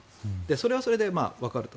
それはそれでわかると。